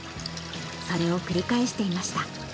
それを繰り返していました。